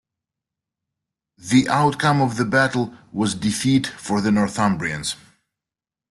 The outcome of the battle was defeat for the Northumbrians.